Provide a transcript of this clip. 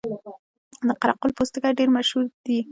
د قره قل پوستکي ډیر مشهور دي